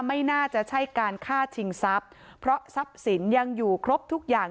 ไม่น่าจะใช่การฆ่าชิงทรัพย์เพราะทรัพย์สินยังอยู่ครบทุกอย่าง